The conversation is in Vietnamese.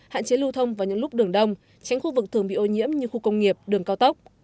hạn chế lưu thông vào những lúc đường đông tránh khu vực thường bị ô nhiễm như khu công nghiệp đường cao tốc